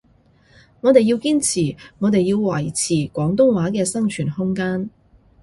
我哋要堅持，我哋要維持廣東話嘅生存空間